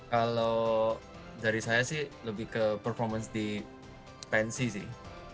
kalau dari saya sih lebih ke performance di pensy sih